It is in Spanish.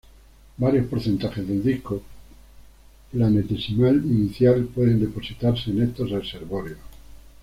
Varios porcentajes del disco planetesimal inicial pueden depositarse en estos reservorios.